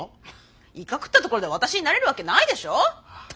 イカ食ったところで私になれるわけないでしょ！